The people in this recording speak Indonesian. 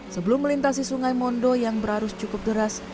sebelum melintasi sungai mondo yang berarus cukup deras